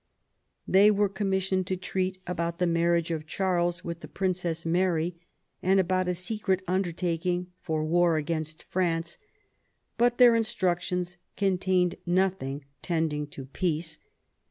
They were commissioned to treat about the marriage of Charles with the Princess Mary, aiid about a secret undertaking for war against France ; but their instructions contained nothing tending to peace.